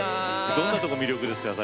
どんなとこ魅力ですか西城さん。